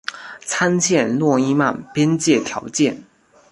参见诺伊曼边界条件。